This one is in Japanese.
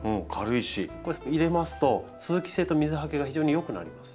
これ入れますと通気性と水はけが非常に良くなります。